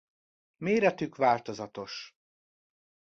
Méretük változatos.